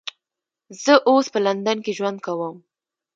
زه اوس په لندن کې ژوند کوم